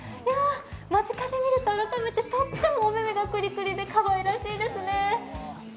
間近で見ると改めて、とってもおめめがクリクリでかわいらしいですね。